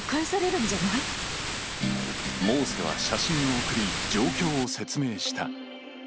モーセは写真を送り、状況を説明した。